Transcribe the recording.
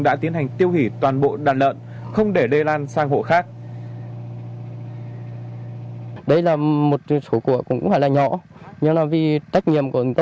đã tiến hành tiêu hủy toàn bộ đàn lợn không để lây lan sang hộ khác